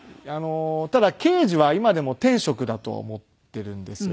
ただ刑事は今でも天職だとは思っているんですよ。